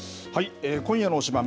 今夜の推しバン！